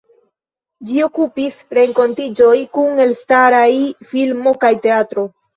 Ĝi okupis renkontiĝoj kun elstaraj filmo kaj teatro.